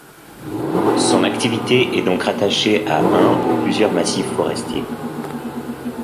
Son activité est donc rattachée à un ou plusieurs massifs forestiers.